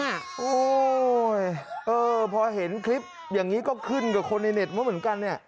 โอ้โหพอเห็นคลิปอย่างนี้ก็ขึ้นกับคนในเน็ตมาเหมือนกันเนี่ย